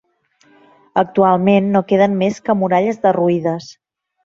Actualment no queden més que muralles derruïdes.